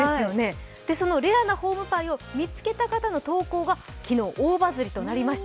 そのレアなホームパイを見つけた方の投稿が昨日大バズりとなりました。